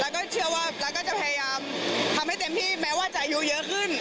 แล้วก็เชื่อว่าแล้วก็จะพยายามทำให้เต็มที่แม้ว่าจะอายุเยอะขึ้น